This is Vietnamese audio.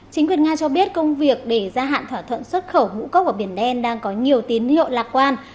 chính quyền nga cho biết công việc để gia hạn thỏa thuận xuất khẩu ngũ cốc ở biển đen đang có nhiều tín hiệu lạc quan